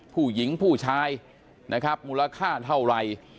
ผู้หญิงผู้ชายมูลค่าเท่าไร